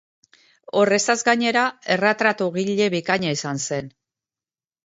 Horrezaz gainera, erretratugile bikaina izan zen.